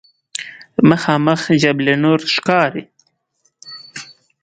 مخامخ جبل نور ښکاري.